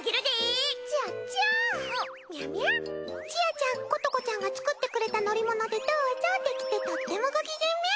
ちゃんことこちゃんが作ってくれた乗り物で「どうぞ」できてとってもご機嫌みゃ。